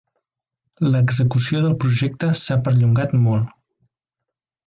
L'execució del projecte s'ha perllongat molt.